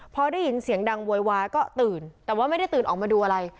พอได้ยินเสียงดังโวยวายก็ตื่นแต่ว่าไม่ได้ตื่นออกมาดูอะไร